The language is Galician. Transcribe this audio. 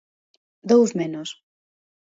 Dous menos.